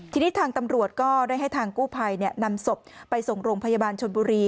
ทีนี้ทางตำรวจก็ได้ให้ทางกู้ภัยนำศพไปส่งโรงพยาบาลชนบุรี